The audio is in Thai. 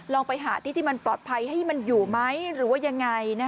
ลองไปหาที่ที่มันปลอดภัยให้มันอยู่ไหมหรือว่ายังไง